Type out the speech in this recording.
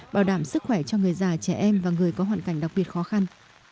bảo đảm sức khỏe cho người già trẻ em và người có hoàn cảnh đặc biệt khó khăn